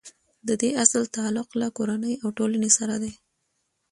د دې اصل تعلق له کورنۍ او ټولنې سره دی.